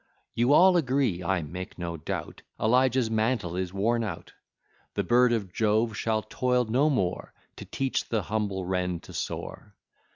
You all agree, I make no doubt, Elijah's mantle is worn out. The bird of Jove shall toil no more To teach the humble wren to soar.